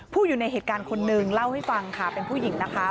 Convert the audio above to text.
อยู่ในเหตุการณ์คนหนึ่งเล่าให้ฟังค่ะเป็นผู้หญิงนะคะ